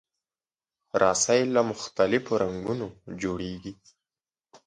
رسۍ له مختلفو رنګونو جوړېږي.